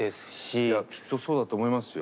きっとそうだと思いますよ。